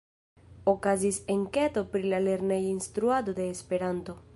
Okazis enketo pri la lerneja instruado de Esperanto.